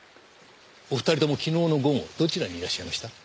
お二人とも昨日の午後どちらにいらっしゃいました？